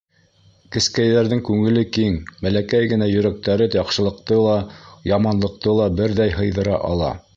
Кескәйҙәрҙең күңеле киң, бәләкәй генә йөрәктәре яҡшылыҡты ла, яманлыҡты ла берҙәй һыйҙыра ала.